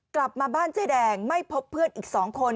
กลับมาบ้านเจ๊แดงไม่พบเพื่อนอีก๒คน